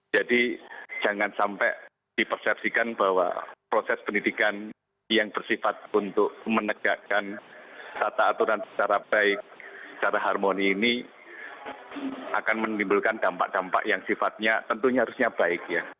jadi jangan sampai dipersepsikan bahwa proses pendidikan yang bersifat untuk menegakkan tata aturan secara baik secara harmoni ini akan menimbulkan dampak dampak yang sifatnya tentunya harusnya baik ya